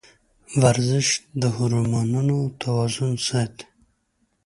ورزش د هورمونونو توازن ساتي.